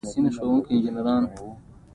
• ته د زړګي مېلمانه نه، اوسېدونکې یې.